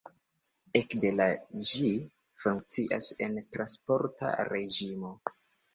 Ekde la ĝi funkcias en transporta reĝimo.